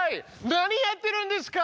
何やってるんですか！